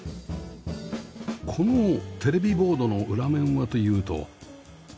このテレビボードの裏面はというと